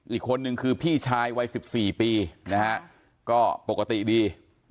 อีกคนนึงคือพี่ชายวัย๑๔ปีนะฮะก็ปกติดี